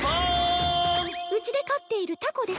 うちで飼っているタコです。